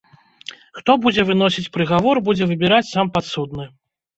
Хто будзе выносіць прыгавор будзе выбіраць сам падсудны.